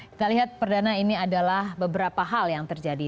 kita lihat perdana ini adalah beberapa hal yang terjadi